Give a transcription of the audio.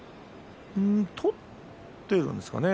取っているんですかね。